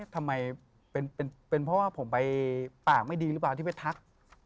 ทำไมเป็นเพราะว่าผมไปปากไม่ดีหรือเปล่าที่ไปทัก